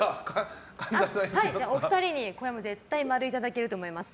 お二人にこれは絶対○をいただけると思います。